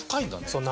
そう。